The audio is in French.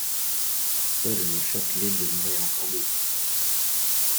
Seul le Châtelet demeurait encore debout.